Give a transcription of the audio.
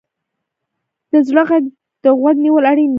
د زړه غږ ته غوږ نیول اړین دي.